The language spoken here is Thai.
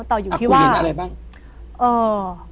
ต่ออยู่ที่ว่าอเจมส์อเรนนี่อคุณเห็นอะไรบ้าง